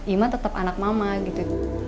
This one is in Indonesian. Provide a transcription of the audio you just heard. iman tetap anak mama gitu